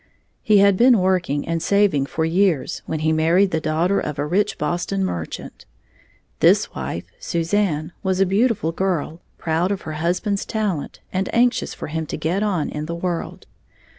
He had been working and saving for years when he married the daughter of a rich Boston merchant. This wife, Suzanne, was a beautiful girl, proud of her husband's talent and anxious for him to get on in the world.